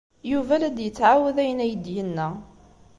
Yuba la d-yettɛawad ayen ay d-yenna.